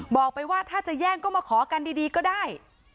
บอกไปว่าถ้าจะแย่งก็มาขอกันดีก็ได้